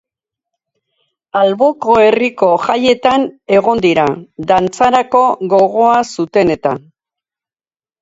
Alboko herriko jaietan egon dira, dantzarako gogoa zuten eta.